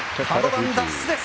角番脱出です。